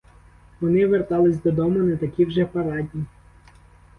Вони вертались додому не такі вже парадні.